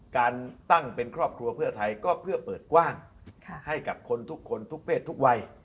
การตั้งเป็นครอบครัวเพื่อไทยก็เพื่อเปิดกว้างให้กับคนทุกคนทุกเพศทุกวัย